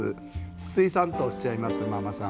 筒井さんとおっしゃいますママさん。